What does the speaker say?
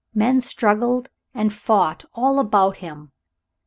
Men struggled and fought all about him.